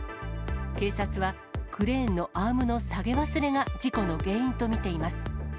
警察は、クレーンのアームの下げ忘れが事故の原因とみています。